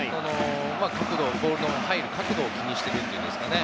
ボールの入る角度を気にしてるんですかね。